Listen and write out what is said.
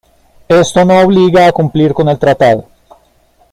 Esto no obliga a cumplir con el Tratado.